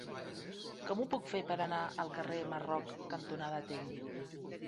Com ho puc fer per anar al carrer Marroc cantonada Tell?